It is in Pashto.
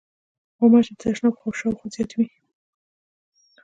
غوماشې د تشناب شاوخوا زیاتې وي.